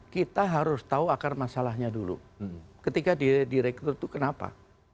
kita harus tahu akar masalahnya dulu ketika direktur itu kenapa